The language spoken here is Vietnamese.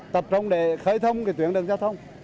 tập trung để khởi thông tuyến đường giao thông